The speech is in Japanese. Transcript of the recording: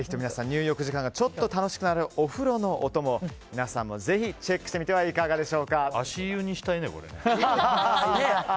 入浴時間がちょっと楽しくなるお風呂のお供、皆さんもぜひチェックしてみては足湯にしたいね、これ。